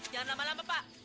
jangan lama lama pak